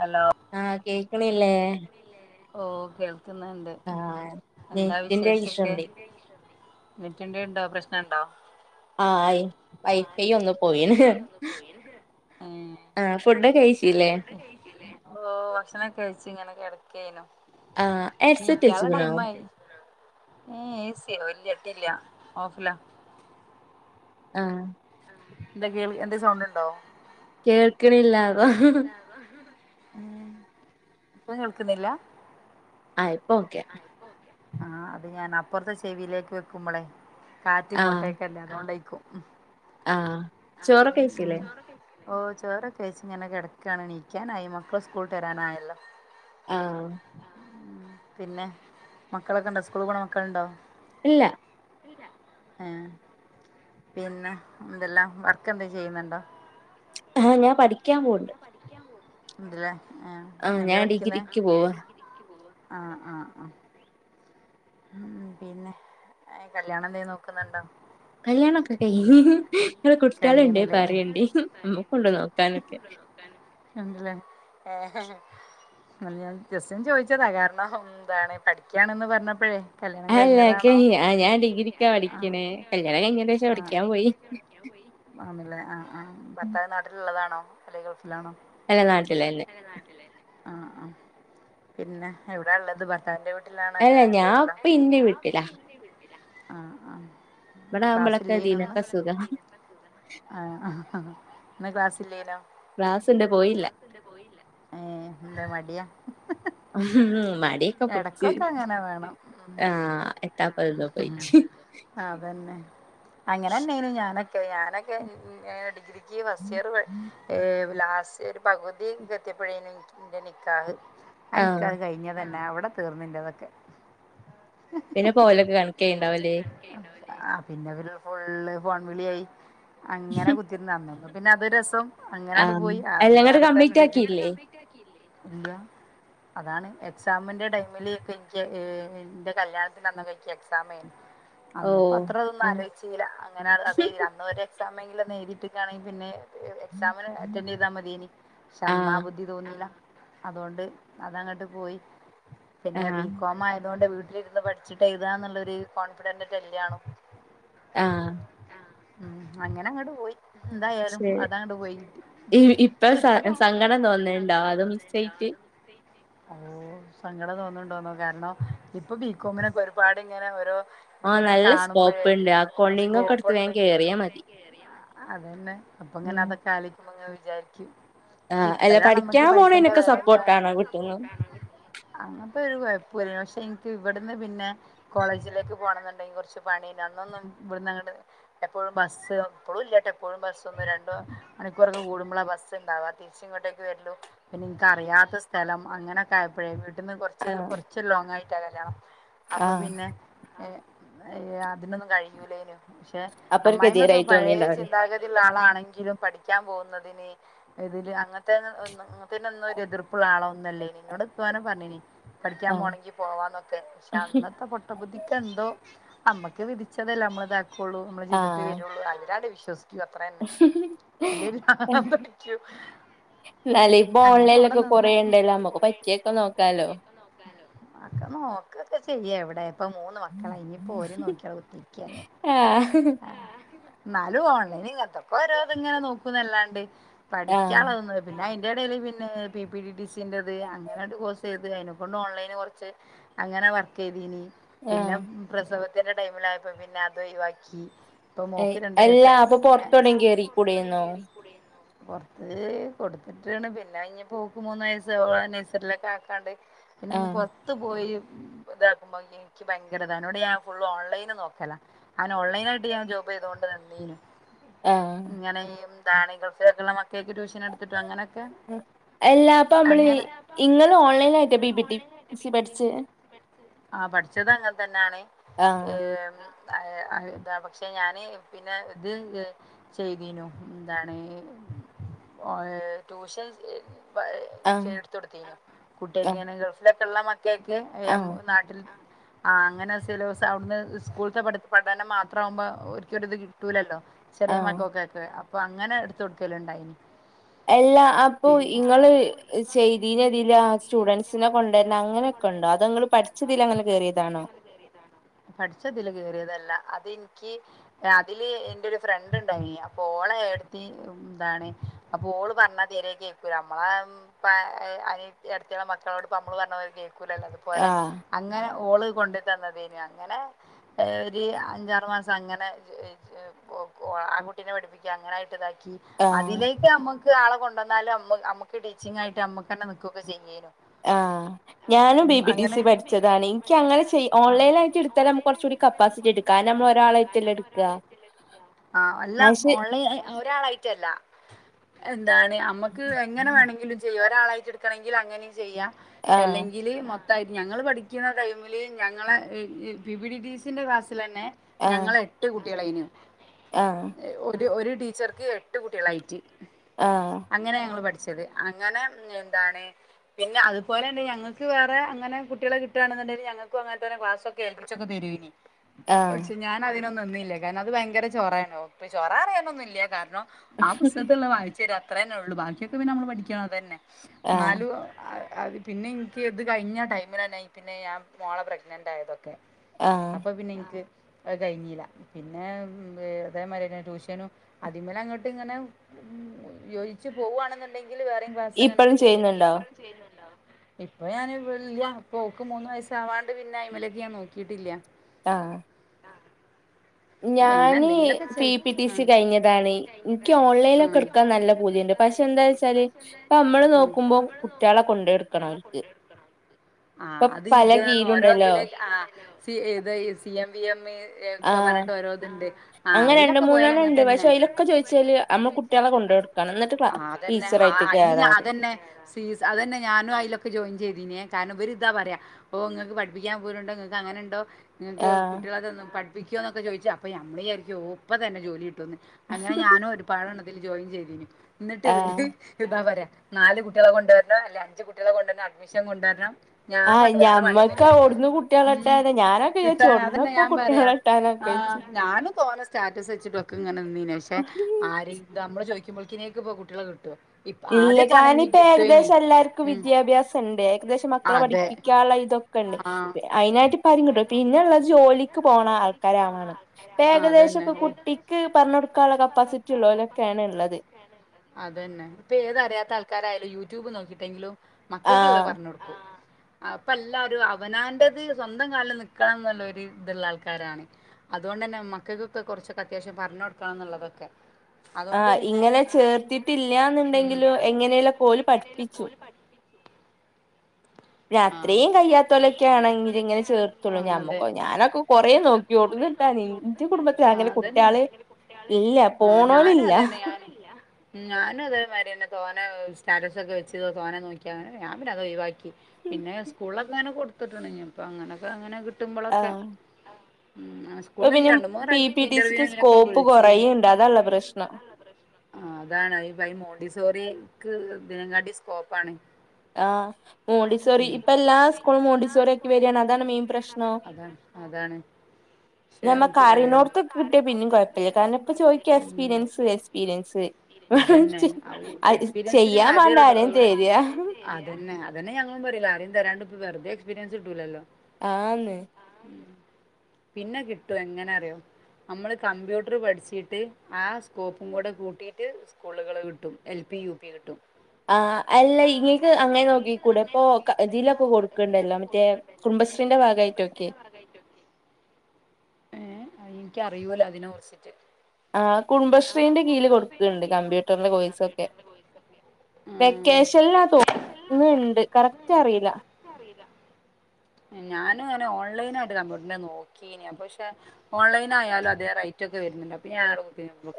Hello ആഹ് കേക്ക്‌ണില്ലേ ഓ കേൾക്കുന്നുണ്ട് ആഹ് എന്താ നെറ്റിന്റെ ഇഷ്യൂ വിശേഷൊക്കെ ഉണ്ട് നെറ്റിന്റെണ്ടോ പ്രശ്നം ഉണ്ടോ ആഹ യി വൈഫൈ പോയിന് ഏ ആഹ് ഫുഡൊക്കെ കഴിച്ചില്ലേ ഓഹ് ഭക്ഷണം ഒക്കെ കഴിച്ചു ഇങ്ങനെ കെടക്കേയിനു ആഹ് ഹെഡ്സെറ്റ് നീക്കാൻ ഇള്ള വെച്ച്ക്കണോ ടൈമായി ഏ സിയോ ഇല്ല്യ ഇട്ടില്യ ഓഫിലാ ആഹ എന്താ കേൾ എന്തേം സൗണ്ട് ഉണ്ടോ കേൾക്ക്‌ണില്ല അതാ ഉം ഇപ്പൊ കേൾക്ക്‌ന്നില്ലാ ആ ഇപ്പൊ ഓക്കെ ആഹ് അത് ഞാൻ അപ്പുറത്തെ ചെവിയിലേക്ക് വെക്കുമ്പളെ കാറ്റ് ആഹ് ഇങ്ങോട്ടക്കല്ലേ അതോണ്ടേയിക്കും ആഹ് ചോറൊക്കെ കയിച്ചിലേ ഓ ചോറൊക്കെ കയിച്ച് ഇങ്ങനെ കെടക്കാണ് നീക്കാനായി മക്കള് സ്കൂൾ വിട്ട് വരാനായല്ലോ ആഹ് ഉം പിന്നെ മക്കളൊക്കെ ഇണ്ടോ സ്കൂൾ പോണ മക്കളുണ്ടോ ഇല്ല ഏഹ് പിന്നെ എന്തെല്ലാം വർക്ക് എന്തേം ചെയ്യുന്നുണ്ടോ ആഹ് ഞാൻ പഠിക്കാൻ പോണ്ട് ഇണ്ട് ലേ ഏഹ് ആഹ് എന്താ ഞാൻ പഠിക്കുന്നേ ഡിഗ്രിക്ക് പോവാ ആഹ് ആഹ് ആഹ് ഉം പിന്നെ ഏഹ് കല്യാണം എന്തേം നോക്കുന്നുണ്ടോ കല്യാണൊക്കെ കയിഞ്ഞ് ഇങ്ങള് കുട്ട്യാള്ണ്ടേ കഴിഞ്ഞ്ണ്ല്ലേ പറയണ്ട് പറയേണ്ടി ഇമ്മക്കുംണ്ട് നോക്കാനൊക്കെ ഇണ്ട്ല്ലേ അഹ് ഞാൻ ജസ്റ്റ്‌ ഒന്ന് ചോയിച്ചതാ കാരണം എന്താണ് പഠിക്കയാണന്ന് പറഞ്ഞപ്പഴേ കല്യാണം അല്ലെ കഴിഞ്ഞതാണോ ആ ഞാൻ ഡിഗ്രിക്കാ പഠിക്ക്‌ണേ കല്യാണം കഴിഞ്ഞേന്റെഷം പഠിക്കാൻ പോയി ആന്ന്ല്ലേ ആഹ് ആഹ് ഭത്താവ് നാട്ടിലുള്ളതാണോ അല്ലേ ഗൾഫിലാണോ അല്ല നാട്ടിലന്നെ ആഹ് ആഹ് പിന്നെ എവിടൊ ള്ളത് ഭർത്താവിന്റെ വീട്ടിലാണ അല്ല അല്ലേ അന്റെ ഞാൻ ള്ളെ ഇപ്പ ഏ ഇന്റെ ഞാ വീട്ടിലാ പ്പം ഇന്റെ വീട്ടിലാ ഇപ്പടാവു മ്പളെക്കെ ദിനക്കെസുഖം ഏഹ് ഹ് ഹ് ഇന്ന് ക്ലാസ് ഇല്ലേ നോ ക്ലാസ് ണ്ട് പോയില്ല ഏഹ് എന്താ മടിയാ ഉം മടിയെക്കെപുട്ച്ച് എടക്കൊക്കെ അങ്ങനെ വേണം ഉം. ആഹ് എത്താപ്പോ ക്കെ പോയിട്ട് അതന്നെ അങ്ങനെ ന്നെയെന്നു ഞാനൊക്കെ ഞാനൊക്കെ ഡിഗ്രി രി ക്ക് ഫസ്റ്റ് ഇയർ ലാസ്റ്റ് ഒരു പകുതി ക്കെ എത്തിയപ്പോഴേനും ഇൻക്ക് ഇന്റെ നിക്കാഹ് ആ ആഹ് നിക്കാഹ് കഴിഞ്ഞ തന്നെ അവിടെ തീർന്ന് ൻ്റെ തൊക്കെ പിന്നെ പോലൊക്കെ കണക്കായി ണ്ടാവുല്ലേ ആഹ് പിന്നെ ഇവര് ഫുള്ള് ഫോൺവിളിയായി അങ്ങനെ ബു ദ്ധിന്ന് അന്നൊന്ന് പിന്നെ അത് രസം അങ്ങനെയാണ്ട് ആഹ് പോയി അത് അല്ല ഇങ്ങട്ട് വേറെ കംപ്ലീറ്റ് തന്നെര് ത് അന്നന്നെണ്ട് ആക്കിയില്ലേ കംപ്ലീറ്റ് ആക്കില്ലേ ഇല്ല അതാണ് എക്സാമിന്റെ ടൈമിൽ ക്കെ ഇൻക്ക് ഏഹ് ഇന്റെ കല്യാണത്തിന്റെ അന്ന് ക്കെ ഇക്ക് എക്സാം മേനി അന്ന് പ്പം ഓഹ് അത്ര തൊന്ന് ആഹ് ആലോയ് ച്ചിലാ അങ്ങനെ അതെയ് തില അന്ന് ഒര് എക്സാമ് എങ്കിലും ഒന്ന് എഴ്തി ണ്ട് ക്കാണങ്കി പിന്നെ എക്സാമിന് അറ്റൻഡ് ചെയ്താ മതിയേനി ക്ഷേ അന്നാ ആഹ് ബുദ്ധി തോന്നീല്ല അതോണ്ട് അതഅങ്ങട്ട് പോയി പിന്നെ ആഹ് ബികോ മായ തോണ്ടെ വീട്ടിലിരുന്ന് പഠിച്ചിട്ട് എഴുതാന്ന് ള്ളൊരു കോൺഫിഡന്റ് ന്റെല്യാ ണും ആഹ് ആഹ് അങ്ങനെ അങ്ങട്ട് പോയി എന്തായാലും അത അങ്ങട്ട് പോയി കിട്ടി ഈ ഇപ്പൊ സ സങ്കടം സ തോന്ന് ണ്ടോ അത് മിസ്സായിട്ട് ബുക്ക് ചെയ്തിട്ട്? ഓ സങ്കടം തോന്ന്ണ്ടോന്നോ കാരണം ഇപ്പൊ ബികോമിനൊക്കെ ഒരുപാട് ഇങ്ങനെ ഓരോ ഇത് ആഹ് ഇങ്ങനെ നല്ല കാണുമ്പോഴേ സ്കോപ്പ്ണ്ട് അക്കൗണ്ടിങ്ങൊക്കെ സ്കോപ്പ് എടുത്ത് ണ്ട് വേഗം കേറിയാ മതി അതന്നെ അപ്പ ഇങ്ങനെ ഉം അതൊക്കെ ആലോയ്ക്കുമ്പോ ഇങ്ങനെ വിചാരിക്കും ആഹ് അല്ല ഇപ്പഴാ നമ്മക്ക് പഠിക്കാൻ പൈസന്റെ പോണേനൊക്കെ വില എന്താ സപ്പോർട്ടാണോ വീട്ട്ന്ന് അങ്ങനത്തെ ഒരു കൊഴപ്പൊല്ല പക്ഷെ ഇ ൻക്ക് ഇവിട് ന്ന് പിന്നെ കോളേജിലേക്ക് പോകണം ന്നുണ്ടെങ്കിൽ കൊറ്ച്ച് പണി യേനു അന്നൊന്നും ഇവിടുന്ന്ങ്ങ ട്ട് എപ്പോഴും ബസ്സ് ഇപ്പളും ഇല്ല ട്ടോ എപ്പഴും ബസ്സൊന്ന് രണ്ടോ മണിക്കൂറൊക്കെ കൂടുമ്പളാ ബസ്ണ്ടാവാ തി രിച്ച് ഇങ്ങോട്ടേക്ക് വര് ലും പിന്നെ ഇൻക്ക് അറിയാത്ത സ്ഥലം അങ്ങനെക്കെ ആയപ്പോഴേ വി ട്ട്ന്ന് കൊറച്ച് ആഹ് കൊറച്ച് ലോങ് ആയിട്ടാ കല്യാണം അപ്പം ആഹ് പിന്നെ ഏഹ് ഏഹ് അതിനൊന്നും കഴിയൂലേനു പക്ഷെ അപ്പൊ ഒരു അമ്മായിമ്മൊക്കെ ഗതികേടായി പയെ തോന്നിണ്ടാവില്ലേ ചിന്താഗതി ള്ള ആളാണെങ്കിലും പഠിക്കാൻ പോവുന്നതിന് എതിര് അങ്ങ്ന് ത്തെ ന് ഒ ന്നും അങ്ങ ന് ത്തെ ന് ഒന്നും ഒരു എതിർപ്പുള്ള ആളോ ഒന്നു അ ല്ലേനി ഇന്നോട് എത്തു അങ്ങനെ പറ്ഞ്ഞീനി പഠിക്കാൻ ആഹ് പോണങ്കി പോവാന്നൊക്കെ പക്ഷെ അന്ന് ത്തെ പൊട്ട ബുദ്ധിക്കെന്തോ അമ്മക്ക് വിധിച്ച തെല്ലേ നമ്മളെ ഇതാകൊള്ളു നമ്മള ജീവിതത്തി ആഹ് വരോള്ളു അങ്ങനെട്ട് വിശ്വാസി ക്കും അത്ര തന്നെ അല്ലേല് പ്രരാന്ത് ടിക്കും ന്നാല് ഇപ്പൊ ഓൺലൈലൊക്കെ കൊറേണ്ടല്ലോ അമ്മക്ക് പറ്റിയൊക്കെ നോക്കാലോ അ ഒക്കെ നോക്കൊക്കെ ചെയ്യാ എവിടെ ഇപ്പ മൂന്ന് മക്കളായി ഇനിയിപ്പോ ഒരെ നോക്കിയവ്ടെ കുത്തി ര്ക്ക ആഹ് ന്നാലും ഓൺലൈൻ ഇങ്ങന് ത്തൊക്കെ ഓരോത് ഇങ്ങനെ നോക്കുന്നല്ലാണ്ട് ആഹ് പഠിക്കാള്ള തൊന്നും പിന്നെ അയിന്റെ എടേൽ പിന്നെ P P T T C ന്റെത് അങ്ങനെ ട്ട് കോഴ്സ് ചെയ്ത് അയ്നെക്കൊണ്ട് ഓൺലൈന് കുറ്ച്ച് അങ്ങനെ വർക്ക് ചെയ്തീനി പിന്നെ ആഹ് പ്രസവത്തിന്റെ ടൈമിലയപ്പോ പിന്നെ അത് ഒഴിവാക്കി ഇപ്പൊ ഏയ് മോക്ക് രണ്ട് അല്ല വയസായി അപ്പൊ പിന്നെ അല്ലാ പൊറത്തെവിടേം അപ്പം പൊർത്ത് ഔടെ കേറിക്കൂടേന്നോ കേറി കൂടെന്നോ പൊറ്ത്ത് കൊട്ത്ത്ട്ട്ണ് പിന്നെ യിഞ്പ്പം ഓക്ക്മൂന്ന് വയസ്സ് ഓളെ നേഴ്സറിലൊക്കെ ആക്കാണ്ട് പിന്നെ ആഹ് പുറത്തു പോയി ഇതാക്കുമ്പോ ഇന്ക്ക് ഭയങ്കരതാണ് അനോട് ഞാൻ ഫുള്ള് ഓൺലൈന് നോക്കല ങ്ങനെ ഓൺലൈന് ആയിട്ട് ഞാൻ ജോബ് ചെയ്തോണ്ട് നിന്നീ നു ആഹ് ഇങ്ങനെ [unintelligible] മക്കേക്ക് ട്യൂഷനെട് ത്തിട്ടും അങ്ങനൊക്കെ ഉം എല്ലാ അപ്പ നമ്മള് അങ്ങനെ ഇങ്ങള് ഓൺലൈനായിട്ടേ പി പി ടി സി പഠിചെഹ് ആഹ് പഠിച്ചത് അങ്ങൻതന്നാണ് ആഹ് ഏഹ് അഹ് അഹ് ദാ പക്ഷെ ഞാന് പിന്നെ ഇത് ചെയ്തീനു എന്താണ് ഓൺല് ടൂഷൻ ആഹ് ചെ ആഹ് ഇട്ത്തൊട്ത്തീനു. കുട്ടിയേക് ആഹ് ഇങ്ങനെ ഗൾഫിലൊക്കെള്ളാ മക് ക്കേക്ക് എം ആഹ് നാട്ടിൽ ആഹ് അങ്ങനെ സിലബസ് അവിട്ന്ന് സ്കൂൾത്തെ പഠിപ് പഠനം മാത്രം ആവുമ്പോ ഓർക്കൊരിതു കിട്ടൂലല്ലോ ചെറിയ ആഹ് മക്കൊക് ക്കെ അപ്പോ അങ്ങനെ ഇട്ത്തൊട്ക്കല് ഇണ്ടായിനി എല്ലാ അപ്പൊ ഇങ്ങള് ചെയ്തീന്യെ പിന്നെ തില് ആഹ് സ്റ്റുഡന്റ്സിനെ കൊണ്ടര്നം അങ്ങനൊ ക്കെണ്ടോ? അതോ ഇങ്ങള് പഠിച്ച തില് അങ്ങനെ കേറിയതാണോ? പഠിച്ച തില് കേറിയതല്ല അതിൻക്ക് ഏഹ് അതില് എന്റെ ഒരു ഫ്രണ്ട് ണ്ടായിനി അപ്പൊ ഓളെ ഏട്ത്തി മ് ന്താണ് അപ്പൊ ഓള് പർഞ്ഞ [unintelligible] കേക്കൂല നമ്മളെ പ്പ അനിയതി ഏടത്തിയേളെ മക്കളോട് പ്പം നമ്മള് പറഞ്ഞാ ഓലത് കേക്കൂലല്ലൊ അത് പോലെ. ആഹ് അങ്ങനെ ഓള് കൊണ്ട് തന്നതേനു അങ്ങനെ ഒരു അഞ്ചാറ് മാസം അങ്ങനെ ജ് ജ് യ് ഒ കൊ ആങ്കുട്ടിനെ പഠിപ്പിക്ക്യു അങ്ങനെ ആയിട്ട് ഇതാക്കി ആഹ് അതിലേക്ക് നമ്മക്ക് ആളെ കൊ ണ്ടന്നാല് മ്മ മ്മക്ക് ടീച്ചിങ്‌ ആയിട്ട് നമ്മക്കന്നെ നിക്ക്വൊക്കെ ചെയ്യേനു ആഹ് ഞാനും പി ഉം പി ടി സി അങ്ങനെ പഠിച്ചതാണ്. ഇൻക്ക് അങ്ങനെ ചെയ് ആ ഓൺലൈനായിട്ട് ഇട്ത്താലെ നമുക് കുറച്ചുടി കപ്പാസിറ്റി എടു കാനം ഒരാളായിട്ടല്ലേ ഇട്ക്കാ. ആഹ് അല്ല ഓൺലൈൻ ഒരാളായിട്ടല്ല എന്താണ് അമ്മക്ക് എങ്ങനെ വേണെങ്കിലും ചെയ്യാ. ഒരാളായിട്ട് ഇട്ക്കണെങ്കിലങ്ങനിം ചെയ്യാ. ആഹ് എല്ലെങ്കില് മൊ ത്തായിട്ട്. ഞങ്ങൾ പഠിക്ക്യ്ണ ടൈമില് ഞങ്ങളെ പി പി ടി സി ന്റെ ക്ലാസിലന്നെ ആഹ് ഞങ്ങള് എട്ട് കുട്ടിയേളേയിനു ആഹ് ഒരു ഒര് ടീച്ചർക്ക് എട്ട് കുട്ടിയേളായിറ്റ് ആഹ് അങ്ങനെ ഞങ്ങൾ പഠിച്ചത് അങ്ങനെ എന്താണ് പിന്നെ അതുപലെന്നെ ഞങ്ങക്ക് വേറെ അങ്ങനെ കുട്ട്യാളെ കിട്ടാണ്ന്ന്ണ്ടേല് ഞങ്ങക്കും അങ്ങൻത്തന്നെ ക്ലാസൊക്കെ ഏൽപ്പിച്ചൊക്കെ തെര്വേ നി ആഹ് പക്ഷെ ഞാൻ അതിനൊന്നും നിന്നില്ല, കാര്ന അത് ഭയങ്കര ചോറേണ് ഒപ്പി ചൊറാ പറിയാനൊന്നുല്ല കാര്ണം, ആ പുസ്തകത്തില്ള്ള വായിച്ചെരും അത്രന്നൊള്ളു. ബാക്ക്യൊക്കെ പിന്നെ മ്മള് പഠിക്കണം അതെന്നെ ആഹ് ന്നാലും അഹ് അത് പിന്നെ ഇൻക്ക് ഇത് കയ്ഞ്ഞ ടൈമിലന്നെ പിന്നെ ഞാൻ മോളെ പ്രഗ്നന്റായതൊക്കെ, ആഹ് അപ്പ പിന്നെ ഇൻക്ക്, അത് കയ്ഞ്ഞില. പിന്നെ ദേ മായ്ര്യന്നെ ട്യൂഷനും അതിമ്മലങ്ങട്ട് ങ്ങനെ, മ് യോജിച്ച് പോവാണ്ന്ന്ണ്ടെങ്കില് വേറിം ക്ലാസ്ങ്ങനെ ഇപ്പഴും ഇട്ക്കേയ്നു. ഇയ് ചെയ്യുന്നുണ്ടോ പ്പളും ചെയ്യുന്ന്ണ്ടോ? ഇപ്പൊ ഞാൻ ഇല്ല്യ. ഇപ്പോ ഓക്ക് മൂന്ന് വയസാവാണ്ട് പിന്നെ അയിമലേക്ക് ഞാൻ നോക്കീട്ടില്ല. ആഹ് എങ്ങനെ ഞാന് എന്തെങ്കിലുമൊക്കെ പി ചെയ്യും പി ട്ടി സി കയ്ഞ്ഞതാണ്. ൻക്ക് ആ ആ ഓൺലൈലൊക്കട്ക്കാൻ നല്ല പൂതിണ്ട്, പക്ഷെ ന്താച് ചാല്, പ്പ നമ്മള് ആ നോക്കുമ്പൊ കുട്ട്യാളെ കൊണ്ടയൊട്ക്കണം ഓൽക്ക്. ഇപ്പൊ ആഹ് അത് പല ഇതാണ് ഓരോ ഇത് കീലുണ്ടല്ലോ ലെ ആഹ്, സി ഏത് C M V M E A ക്ക പറ്ഞ്ഞ്ട്ട് ഓരോത്ണ്ട്. അങ്ങന രണ്ട് മൂന്നണ്ണണ്ട്, പക്ഷെ അയ്ലൊക്കെ ചോയ്ച്ചാല് നമ്മ കുട്ട്യാളെ കൊണ്ടോയൊട്ക്കണം. എന്നിട്ട് ക്ലാ ആഹ് അതന്നെ ആഹ് ടീച്ചറായിട്ട് അയ്ല് ഞി കേറാറ് അതന്നെ. ഫീസ് അതന്നെ ഞാനും അയ്ലൊക്കെ ജോയിൻ ചെയ്തീന്യേ കാര്ണം ഇവരിതാ പറ്യ പ്പോ ഇങ്ങക്ക് പഠിപ്പിക്കാൻ പോര്ണ്ടോ ഇങ്ങക്കങ്ങനെണ്ടോ ങ്ങക്ക് ആഹ് കുട്ട്യാളെ തന്ന് പഠിപ്പിക്ക്യോ ന്നൊക്കെ ചോയ്ച്ച്, അപ്പ നമ്മളി യായ്ര്ക്ക്യു ഓഹ് ഇപ്പ തന്നെ ജോലിട്ടും ന്ന്. അങ്ങനെ ഞാനും ഒരുപാട്ണ്ണത്തിൽ ജോയിൻ ചെയ്തീനു ന്ന്ട്ട് വര്, ആഹ് താ പറയാ നാല് കുട്ട്യാളെ കൊണ്ടോര്ണോ അല്ലെ അഞ്ച് കുട്ട്യാളെ കൊണ്ടോര്ണം അഡ്മിഷൻ കൊണ്ടോര്ണം ഞാൻ ആഹ് പറഞ്ഞ് വേറെ പണ്യൊന്നുല്ല, ഞമ്മക്ക് ആഹ് ഞമ്മക്ക് അവിടുന്ന് കുട്ടികളെ അവര്ടെ കിട്ടാന് ഞാനൊക്കെ കുട്ട്യാളെട്ട്ട്ടാണ് മ് വിചാരിച്ചു ട്ട്ട്ടാണ് ഇവിടുന്ന് അതന്നെ ഇപ്പൊ ഞാ പറ്യാ. കുട്ടികളെ കിട്ടാനൊക്കെ ആഹ് ഞാനും തോനെ സ്റ്റാറ്റസ് ച്ച്ട്ടൊക്കെങ്ങനെ നിന്നീന് പക്ഷെ വിചാരിച്ചു. ആരെ ത് നമ്മള് ചോയ്ക്കുമ്പൾകിനേക്ക് പൊ കുട്ട്യാളെ കിട്ടോ, ഇല്ല. കാര്നപ്പ ഏകദേശം എല്ലാർക്കും ഉം വിദ്യാഭ്യാസം ണ്ട് ഏകദേശം മക്കളെ അതെ പഠിക്കാള്ള തൊക് കണ്ട് ആഹ് അയ്നായ്ട്ട്പ്പാരിം കിട്ടു പിന്നള്ളത് ജോലിക്ക് പോണ ആൾക്കാര ണ് പെ എകദേശം അതന്നെ പ്പൊ ഓ കുട്ടിക്ക് പറഞ്ഞൊട്കാള്ള കപ്പാസിറ്റി ള്ളൊലൊക്കേണ് ഇള്ളത്. അതന്നെ, ഇപ്പേ ഏത് അറിയാത്തൾക്കാരായാലും യൂറ്റൂബ് നോക്കിട്ടെങ്കിലും മക്കക്ക്ള്ളത് ആഹ് പറഞ്ഞൊട്ക്കും. അപ്പ ല്ലാരു, അവനാന്റത് സ്വന്തം കാല്ൽ നിക്കാന്ന്ള്ളൊര് ഇത്ള്ളാൾക്കാരാണ്. അതുകൊണ്ടെന്നെ മക്കക്ക്ക്കെ കൊറ്ച്ചൊക്കത്യാവ്ശ്യം പറഞ്ഞൊട്ക്കണംന്ന്ള്ളതൊക്കെ, അതോണ്ട് ആഹ് പിന്നെ ഇങ്ങനെ ആഹ് ഇങ്ങനെ ചേർ ചേർത്തിട്ടില്ലാന്നുണ്ടെങ്കിലും എങ്ങനെലൊക്കെ ത്തീട്ടില്ല്യാന്ന്ണ്ടെങ്കിലും ഓല് എങ്ങനേലൊക്കെ പഠിപ്പിച്ചും ഓല് പഠ്പി പിന്നത്രീം കയ്യാത്തോലൊക്കേണെങ്കില് ങ്ങനെ ചേർത്തൊള്ളൂ. ഞമ്മക്കോ ഞാനൊക്കെ കൊറേ നോക്ക്യോ കൊറെ നോക്കി ആഹ് അതെന്നെ കുട്ടികള് കുട്ട്യാള് ഇല്ല ആഹ് ഞാനും പോണോലില്ല അതന്നെ നാന്, മ് ഞാനു അതേമായ്ര്യെന്നെ, തോനെ സ്റ്റാറ്റസൊക്കെ വെച്ച് തോനെ നോക്ക്യ ഞാൻ പിന്ന അതൊയ്വാക്കി. പിന്നെ സ്കൂൾലൊക്കങ്ങനെ കൊട്ത്ത്ട്ട്ണ്ട്. ഞ്ഞ് പ ങ്ങനൊക്കങ്ങനെ കിട്ടുമ്പളൊക്കെ, ആഹ് മ് ഇപ്പൊ സ്കൂൾന്ന് ഇൻക്ക് പിന്നെ രണ്ട് പി പി മൂന്നറാവ്ശ്യം ടി സിക്ക് ഇന്റർവ്യൂനിതിനൊക്കെ സ്കോപ്പ് വിൾച്ചീന്ന്. കൊറയുണ്ട് ഹോപ് അതാള്ള കൊറയ്ണ്ട് പ്രശ്നം അതാ പ്രശ്ന ആഹ് അതാണ്. അയ് പൈ മോണ്ടിസോറി ക്ക് ഇതിനകാട്ടി സ്കോപ്പാണ്. ആഹ് മോണ്ടിസോറി ഉം ഇപ്പല്ലാ സ്കൂളും മോണ്ടിസോറ്യാക്കി വര്യാണ് അതാണ് മെയിൻ പ്രശ്നം. സ്കൂളിലും അതാണ് അതാണ്. പക്ഷെ ഇപ്പൊ, ഏ, കാര്യമില്ല. നമ്മക്കറിനോട്ത്തൊക്കിട്ട്യ കാര്യം പിന്നിം കൊയ്പയ്യ. കാര്ണം പ്പ ചോയ്ക്കും ഇപ്പൊ ഉം, ചോദിച്ചു എക്സ്പീര്യൻസ് എക്സ്പീര്യൻസ്. അതന്നെ അയ് ചെയ്യാ വാണ്ടേ ആരേം തരാ അതെന്നെ അതന്നെ ഞങ്ങളും പറ്യല് ആരെം തരാണ്ട് പൊ വെറ്തെ എക്സ്പീര്യൻസ്ട്ടൂലല്ലോ. ആന്ന്. പിന്നെ കിട്ടു എങ്ങനെ അറ്യോ, നമ്മള് കമ്പ്യൂട്ട്ർ പഠിച്ചീട്ട് ആ സ്കോപ്പും കൂടെ കൂട്ടീട്ട്, സ്കൂള്കള് കിട്ടും എൽ പി യു പി കിട്ടും. ആഹ് അല്ല ഇങ്ങക്ക് അങ്ങെ നോക്കി കൂടെ പ്പൊ ഇതീലൊക്കെ കൊട്ക്ക്ണ്ടല്ലോ മറ്റേ കുട്ംബശ്രീന്റെ ഭാഗായ്ട്ടൊക്കെ ഏഹ് അയിൻ ക്കറിയൂലതിനെ കുർച്ചിട്ട്. ആഹ് കുടുംബശ്രീന്റെ കീയില് കൊട്ക്ക്ണ്ട് കമ്പ്യൂട്ടർന്റെ കോയ്സൊക്കെ ഉം വെക്കേഷന്ലാ തോന്ന്ണ്ട് കറക്റ്റ് അറിയില്ല ഏഹ് ഞാനും ങ്ങനെ ഓൺലൈനായിട്ട് കമ്പ്യൂട്ടറിന്റെ നോ ക്കീനി പക്ഷെ ഓൺലൈനായാലും അതേ റേറ്റ് ഒക്കെ വരുന്നുണ്ട് അപ്പൊ പിന്നെ ഞാവടെ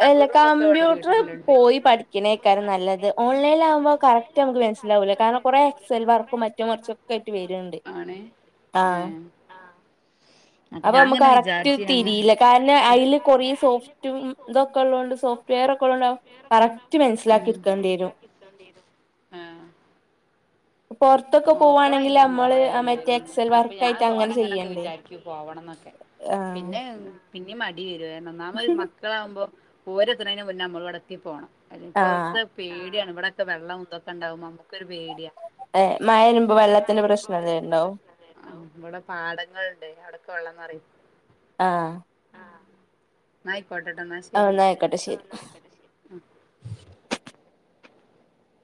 എല്ല കമ്പ്യൂട്ടർ പോയി പഠിക്കണേക്കാരം നല്ലത് ഓൺലൈന്ൽ ആകുമ്പോ കറക് റ്റൊന്ന് നമ്മക്ക് മനസിലാവൂല കാരണം കുറെ എക്സൽ വർക്കും മറ്റെം മറച്ചൊക്കെ ആയിട്ട് വരുണ്ട് ആണ് ആഹ് ഏഹ് അപ്പൊ ഞാൻ മ്മക്ക് ഇങ്ങനെ കറക്റ്റ് വിചാരിച്ചീനി അങ്ങനെ തിരിയില്ല കാരണം അയില് കൊറേ സോഫ്റ്റും ഇതൊക്കെ ള്ളൊണ്ട് സോഫ്റ്റ് എറൊക്കെണ്ടാവും കറക്റ്റ് ഉം മനസ്സിലാക്കി എടുക്കേണ്ടി വരും ആഹ് പൊർത്തൊക്കെ നോക്കണം പോവാണെങ്കിൽ ഇനി നമ്മള് എന്തായാലും എന്തേലും മറ്റേ എക്സൽ വർക്കായിട്ട് അങ്ങനെ ചെയ്യണ്ടേ ക്ക്‌ പോവണം ന്നൊക്കെ പിന്നെ ആഹ് പിന്നേം മടി വരും ഒന്നാമത് മ മക്കളാകുമ്പോ ഓരെത്തിണെന് മുന്നേ നമ്മളിവിടെ എത്തി പോണം അല്ലെ ആഹ് ഇപ്പത്തെ പേടിയാണ് ഇവിടൊക്കെ വെള്ളം തൊക്കെണ്ടാവുമ്പോ മ്മക്കൊരു പേടിയാ ഏഹ് മഴ വരുമ്പോ വെള്ളത്തിന്റെ പ്രശ്നം ന്തേലും ണ്ടോ ആഹ് ഇവിടെ പാടങ്ങളിണ്ടെ അവിടൊക്കെ വെള്ളം നെറയും ആഹ് ന്നാ ആയിക്കോട്ടെ ട്ടൊ ന്നാ ശരി ആയ്ക്കോട്ടെ ശെരി ആ